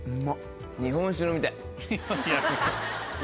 日本酒飲みたい。